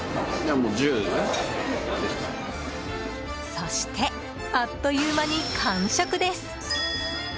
そしてあっという間に完食です。